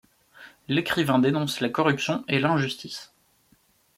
L'écrivain dénonce la corruption et l'injustice.